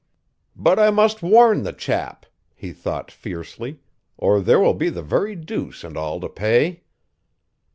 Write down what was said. "But I must warn the chap," he thought fiercely, "or there will be the very deuce and all to pay."